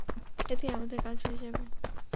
এতেই আমাদের কাজ হয়ে যাবে।